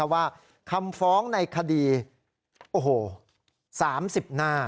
ว่าคำฟ้องในคดี๓๐หน้า